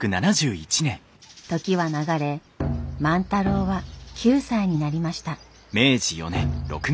時は流れ万太郎は９歳になりました。